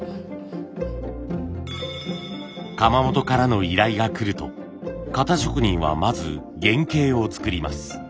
窯元からの依頼がくると型職人はまず原型を作ります。